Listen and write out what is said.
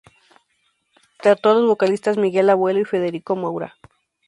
Trató a los vocalistas Miguel Abuelo y Federico Moura.